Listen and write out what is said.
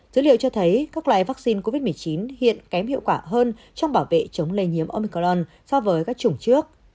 dữ liệu cho thấy các loại vaccine covid một mươi chín hiện kém hiệu quả hơn trong bảo vệ chống lây nhiễm omiclan so với các chủng trước